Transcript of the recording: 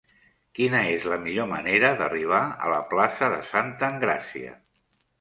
Quina és la millor manera d'arribar a la plaça de Santa Engràcia?